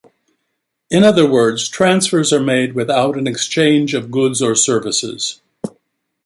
In other words, transfers are made without an exchange of goods or services.